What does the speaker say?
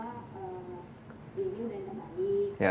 rian ini udah kenalin